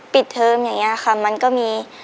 เทอมอย่างนี้ค่ะมันก็มี